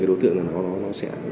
đối tượng nó sẽ